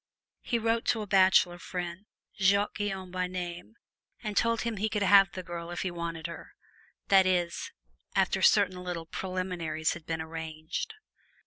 He wrote to a bachelor friend, Jacques Guyon by name, and told him he could have the girl if he wanted her that is, after certain little preliminaries had been arranged.